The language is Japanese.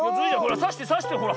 さしてさしてほら。